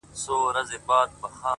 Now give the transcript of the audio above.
د هغه ورځي څه مي-